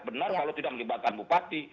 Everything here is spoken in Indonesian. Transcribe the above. benar kalau tidak melibatkan bupati